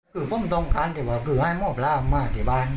คือผมต้องการแต่ว่าคือให้หมอปลามาที่บ้าน